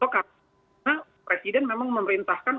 karena presiden memang memerintahkan